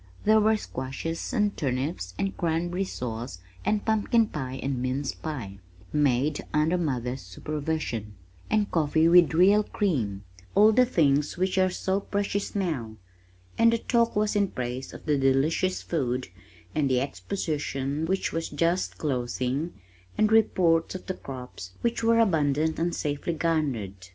There were squashes and turnips and cranberry sauce and pumpkin pie and mince pie, (made under mother's supervision) and coffee with real cream, all the things which are so precious now, and the talk was in praise of the delicious food and the Exposition which was just closing, and reports of the crops which were abundant and safely garnered.